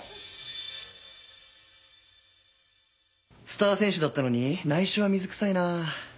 スター選手だったのに内緒は水くさいな。